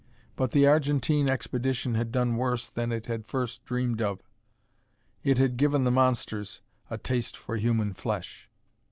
But the Argentine expedition had done worse than it at first dreamed of. _It had given the monsters a taste for human flesh!